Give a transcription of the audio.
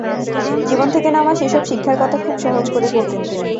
জীবন থেকে নেওয়া সেসব শিক্ষার কথা খুব সহজ করে বলতেন তিনি।